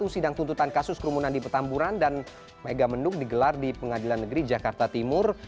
sidang tuntutan kasus kerumunan di petamburan dan megamendung digelar di pengadilan negeri jakarta timur